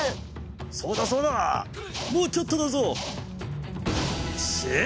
そうだそうだもうちょっとだぞ。